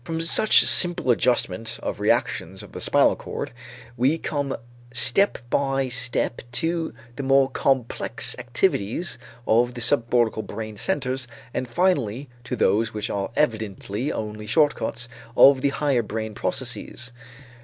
From such simple adjustment of reactions of the spinal cord, we come step by step to the more complex activities of the subcortical brain centers, and finally to those which are evidently only short cuts of the higher brain processes.